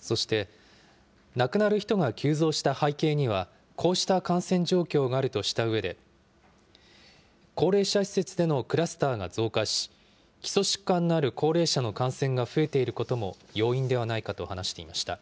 そして、亡くなる人が急増した背景には、こうした感染状況があるとしたうえで、高齢者施設でのクラスターが増加し、基礎疾患のある高齢者の感染が増えていることも要因ではないかと話していました。